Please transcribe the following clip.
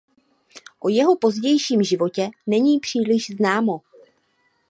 O jeho pozdějším životě není příliš známo.